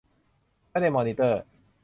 ไม่ได้มอนิเตอร์